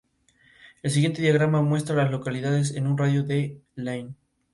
El siguiente diagrama muestra a las localidades en un radio de de Lane.